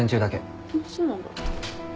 そうなんだ。